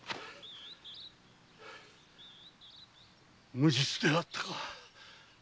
無実であったか。